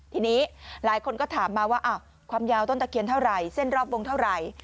ทีนี้หลายคนก็ถามมาว่าความยาวต้นตะเคียนเท่าไหร่เส้นรอบวงเท่าไหร่